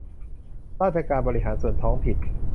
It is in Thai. ราชการบริหารส่วนท้องถิ่น